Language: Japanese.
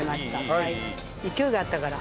勢いがあったから。